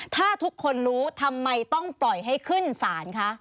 ถ้าทุกคนรู้ทำไมต้องปล่อยให้ขึ้นศาลคะ